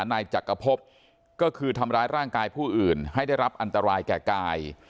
นายจักรพบก็คือทำร้ายร่างกายผู้อื่นให้ได้รับอันตรายแก่กาย